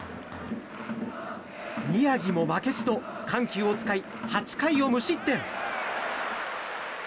宮城も負けじと緩急を使い８回を無失点。